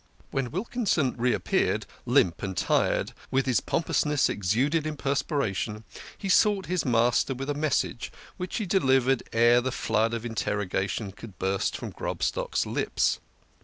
When Wilkinson reappeared, limp and tired, with his pompousness exuded in perspiration, he sought his master with a message, which he delivered ere the flood of interro gation could burst from Grobstock's lips.